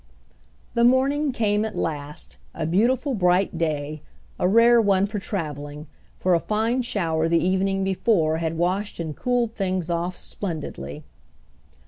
The morning came at last, a beautiful bright day, a rare one for traveling, for a fine shower the evening before had washed and cooled things off splendidly.